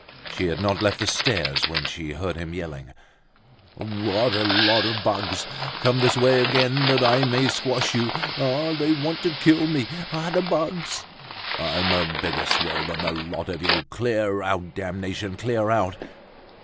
She had not left the stairs when she heard him yelling: "What a lot of bugs!—Come this way again that I may squash you!—Ah! they want to kill me! ah! the bugs!—I'm a bigger swell than the lot of you! Clear out, damnation! Clear out."